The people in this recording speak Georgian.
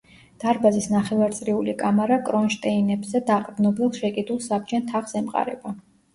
დარბაზის ნახევარწრიული კამარა კრონშტეინებზე დაყრდნობილ შეკიდულ საბჯენ თაღს ემყარება.